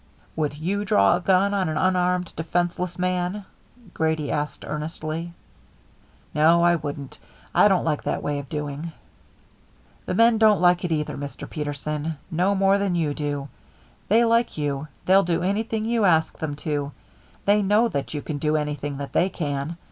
"Would you draw a gun on an unarmed, defenceless man?" Grady asked earnestly. "No, I wouldn't. I don't like that way of doing." "The men don't like it either, Mr. Peterson. No more than you do. They like you. They'll do anything you ask them to. They know that you can do anything that they can.